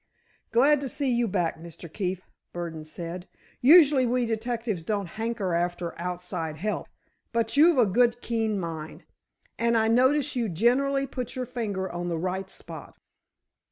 "Glad to see you back, Mr. Keefe," Burdon said; "usually we detectives don't hanker after outside help, but you've a good, keen mind, and I notice you generally put your finger on the right spot."